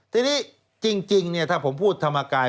ทีนี้จริงถ้าผมพูดธรรมกาย